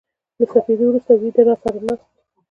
له سپېدو ورو سته و يده را سره ناست وې